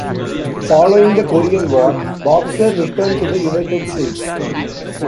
Following the Korean War, "Boxer" returned to the United States.